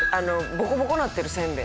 ボコボコになってるせんべい。